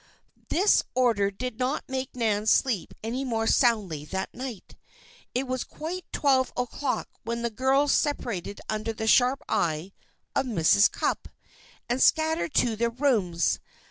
This order did not make Nan sleep any more soundly that night. It was quite twelve o'clock when the girls separated under the sharp eye of Mrs. Cupp, and scattered to their rooms.